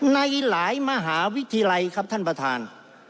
ในหลายมหาวิทยาลัยครับท่านประธาน